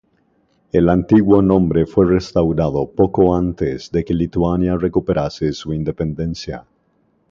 El antiguo nombre fue restaurado poco antes de que Lituania recuperase su independencia.